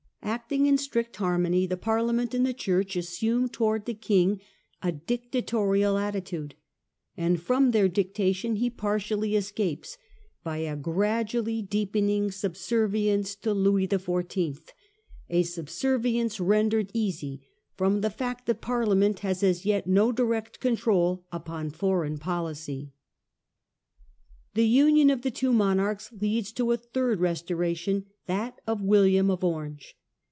Acting in strict harmony, the Parliament and the Church assume towards the King a dictatorial attitude ; and from their dictation he par tially escapes by a gradually deepening subservience to Louis XIV. — a subservience rendered easy from vi Preface. the fact that Parliament has as yet no direct control upon foreign policy. The union of the two monarchs leads to a third restoration, that of William of Orange.